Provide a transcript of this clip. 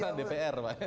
kan dpr pak ya